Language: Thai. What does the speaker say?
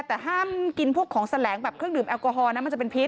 แต่ห้ามกินพวกของแสลงแบบเครื่องดื่มแอลกอฮอลนะมันจะเป็นพิษ